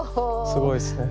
すごいですね。